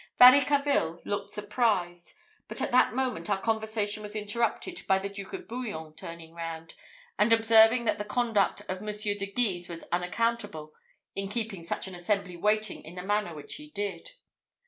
Varicarville looked surprised; but at that moment our conversation was interrupted by the Duke of Bouillon turning round, and observing that the conduct of Monsieur de Guise was unaccountable in keeping such an assembly waiting in the manner which he did.